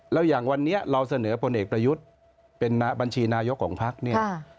แล้วอย่างวันนี้เราเสนอผลเอกประยุทธ์เป็นบัญชีนายกของพักเนี่ย